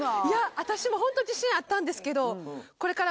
いや私もホント自信あったんですけど。